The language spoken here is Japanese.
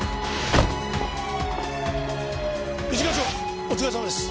一課長お疲れさまです。